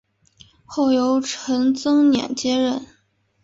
后由陈增稔接任。